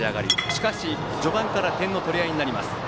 しかし、序盤から点の取り合いになります。